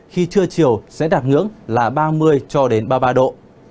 khi trưa chiều sẽ đạt ngưỡng là ba mươi cho đến ba mươi ba độ